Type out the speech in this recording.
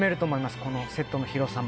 このセットの広さも。